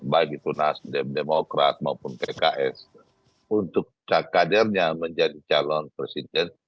baik itu nasdem demokrat maupun pks untuk kadernya menjadi calon presiden